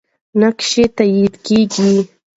نقش یې تاییدیږي.